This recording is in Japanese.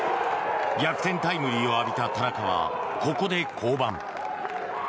逆転タイムリーを浴びた田中はここで降板。